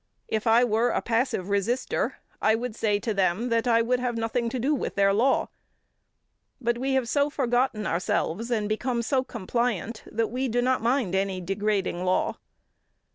If I were a passive resister, I would say to them that I would have nothing to do with their law. But we have so forgotten ourselves and become so compliant, that we do not mind any degrading law.